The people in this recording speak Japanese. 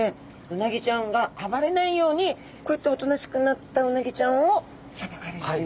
うなぎちゃんが暴れないようにこうやっておとなしくなったうなぎちゃんをさばかれるという。